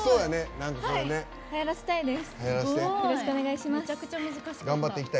はやらせたいです。